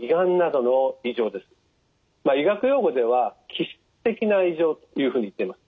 医学用語では器質的な異常というふうにいっています。